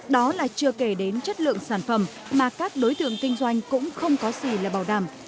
đó là chưa kể đến chất lượng sản phẩm mà các đối tượng kinh doanh cũng không có gì là bảo đảm